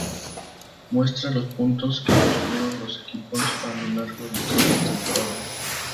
Muestra los puntos que obtuvieron los equipos a lo largo de toda la temporada.